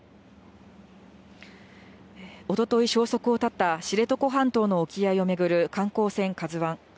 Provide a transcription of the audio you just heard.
おととい、消息を絶った知床半島の沖合を巡る観光船カズワン。